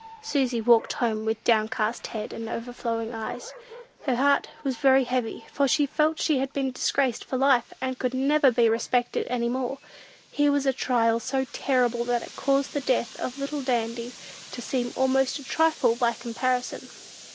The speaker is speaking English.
Susy walked home with downcast head and overflowing eyes. Her heart was very heavy, for she felt she had been disgraced for life, and could never be respected any more. Here was a trial so terrible that it caused the death of little Dandy to seem almost a trifle by comparison.